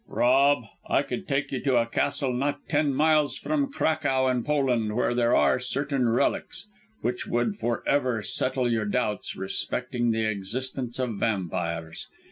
"Rob, I could take you to a castle not ten miles from Cracow in Poland where there are certain relics, which would for ever settle your doubts respecting the existence of vampires.